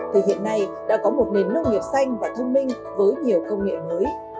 thì hiện nay đã có một nền nông nghiệp xanh và thông minh với nhiều công nghệ mới